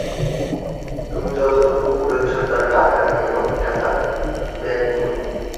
তুমি যেটুকু পড়েছো তার টাকা রেখে বাকি টাকা ব্যাক নিও।